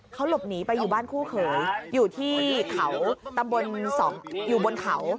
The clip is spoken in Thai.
เขาหลบหนีไปอยู่บ้านคู่เขยอยู่ที่เขาตำบลอยู่บนเขา